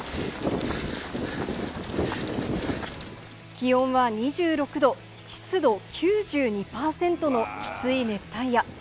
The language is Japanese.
気温は２６度、湿度９２％のきつい熱帯夜。